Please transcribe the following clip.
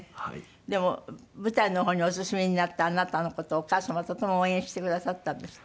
でも舞台の方にお進みになったあなたの事をお母様とても応援してくださったんですって？